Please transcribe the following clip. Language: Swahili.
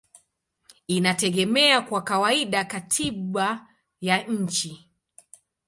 inategemea kwa kawaida katiba ya nchi.